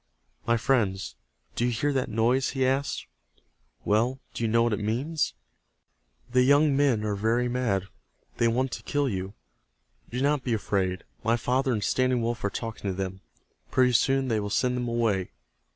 "My friends, do you hear that noise?" he asked. "Well, do you know what it means? The young men are very mad. They want to kill you. Do not be afraid. My father and Standing Wolf are talking to them. Pretty soon they will send them away.